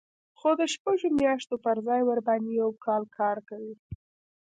خو د شپږو میاشتو پر ځای ورباندې یو کال کار کوي